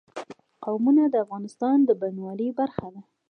قومونه د افغانستان د بڼوالۍ برخه ده.